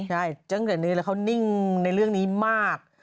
ใช่จนกระทั่งนี้เขานิ่งในเรื่องนี้มาก